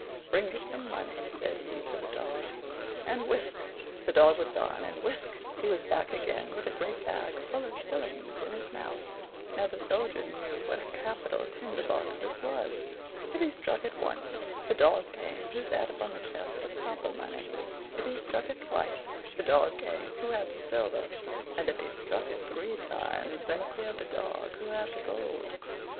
Bring me some money," said he to the dog; and whisk! the dog was gone, and whisk! he was back again, with a great bag full of shillings in his mouth. Now the Soldier knew what a capital Tinder box this was. If he struck it once, the dog came who sat upon the chest of copper money; if he struck it twice, the dog came who had the silver; and if he struck it three times, then appeared the dog who had the gold.